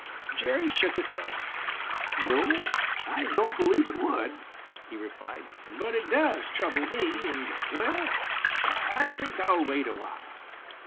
Jerry shook his head. "No, I don't believe it would," he replied, "but it does trouble me and and well, I think I'll wait awhile."